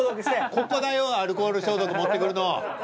ここだよアルコール消毒持ってくるの。